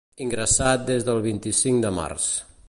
Ingressat des del vint-i-cinc de març.